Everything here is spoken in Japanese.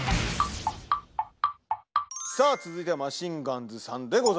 さあ続いてはマシンガンズさんでございます。